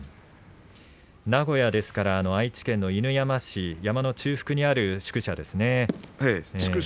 名古屋ですから愛知県の犬山市山の中腹にある宿舎ですね。